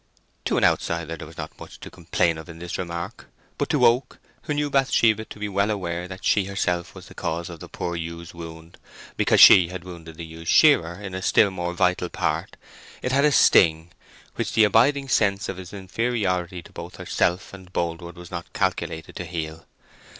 To an outsider there was not much to complain of in this remark; but to Oak, who knew Bathsheba to be well aware that she herself was the cause of the poor ewe's wound, because she had wounded the ewe's shearer in a still more vital part, it had a sting which the abiding sense of his inferiority to both herself and Boldwood was not calculated to heal.